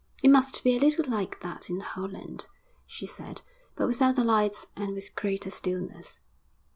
'It must be a little like that in Holland,' she said, 'but without the lights and with greater stillness.'